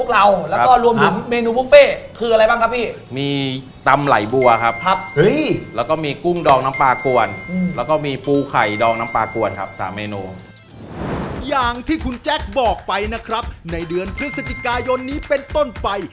อย่างที่คุณแจ๊คบอกไปนะครับในเดือนพฤศจิกายนนี้เป็นต้นไป